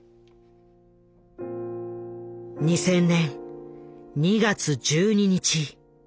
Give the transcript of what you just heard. ２０００年２月１２日。